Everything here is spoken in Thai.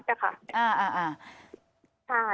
ใช่ค่ะ